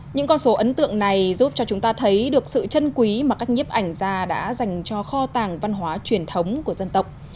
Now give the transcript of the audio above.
những con số ấn tượng này giúp cho chúng ta thấy được sự chân quý mà các nhiếp ảnh ra đã dành cho kho tàng văn hóa truyền thống của dân tộc